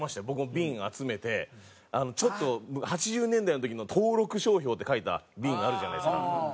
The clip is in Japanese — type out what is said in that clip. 僕も瓶集めてちょっと８０年代の時の「登録商標」って書いた瓶あるじゃないですか。